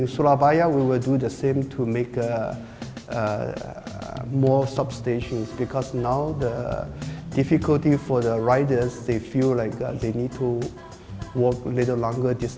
selanjutnya dalam dua bulan kami akan memberikan dua ratus substation lagi